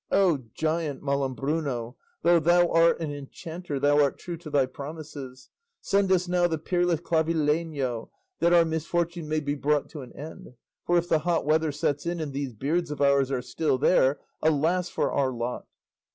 O giant Malambruno, though thou art an enchanter, thou art true to thy promises. Send us now the peerless Clavileño, that our misfortune may be brought to an end; for if the hot weather sets in and these beards of ours are still there, alas for our lot!"